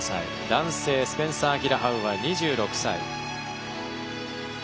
男性、スペンサーアキラ・ハウは２６歳。